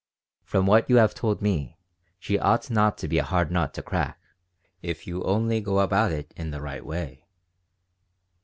From what you have told me, she ought not to be a hard nut to crack if you only go about it in the right way.